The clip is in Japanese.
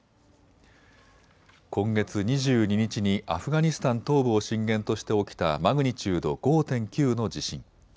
今月２２日にアフガニスタン東部を震源として起きたマグニチュード５．９の地震。